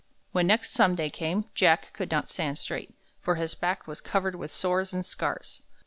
When next Sunday came, Jack could not stand straight, for his back was covered with sores and scars.